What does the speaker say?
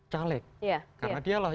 caleg karena dia lah